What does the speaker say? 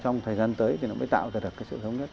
trong thời gian tới thì nó mới tạo ra được cái sự thống nhất